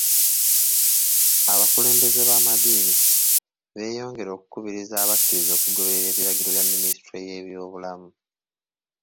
Abakulebeze b'amaddiini beeyongera okukubiriza abakkiriza okugoberera ebiragiro bya ministule y'ebyobulamu.